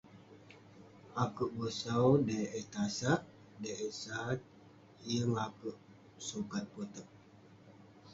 Akouk bosau dei eh tasak, dei eh sat. Yeng akouk sukat poteg.